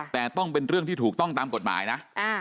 แต่ต้องเป็นเรื่องที่ถูกต้องตามกฎหมายนะ